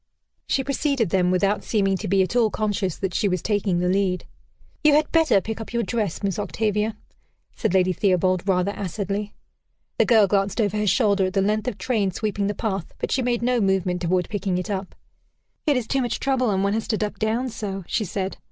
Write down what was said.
She preceded them, without seeming to be at all conscious that she was taking the lead. "You had better pick up your dress, Miss Octavia," said Lady Theobald rather acidly. The girl glanced over her shoulder at the length of train sweeping the path, but she made no movement toward picking it up. "It is too much trouble, and one has to duck down so," she said.